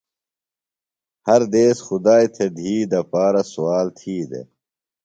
ہر دیس خدائی تھےۡ دِھی دپارہ سوال تھی دےۡ۔